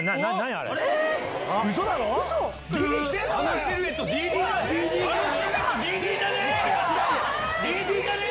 あのシルエット、ＤＤじゃねぇ？